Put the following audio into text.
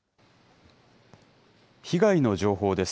被害の情報です。